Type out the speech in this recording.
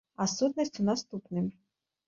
А сутнасць у наступным.